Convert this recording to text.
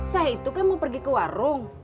saya itu kan mau pergi ke warung